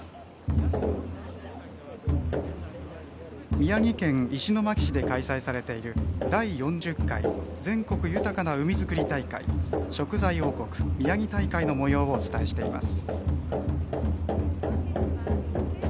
宮城県石巻市で開催されている「第４０回全国豊かな海づくり大会食材王国みやぎ大会」のもようをお伝えしています。